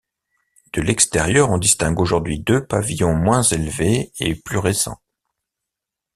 De l'extérieur, on distingue aujourd'hui deux pavillons moins élevés et plus récents.